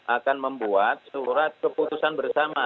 akan membuat surat keputusan bersama